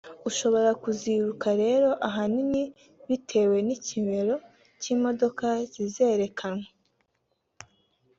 — ushobora kuziruka rero ahanini bitewe n’ikimero cy’imodoka zizerekanwa